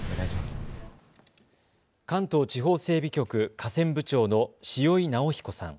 関東地方整備局河川部長の塩井直彦さん。